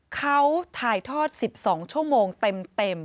เขาถ่ายทอด๑๒ชั่วโมงเต็ม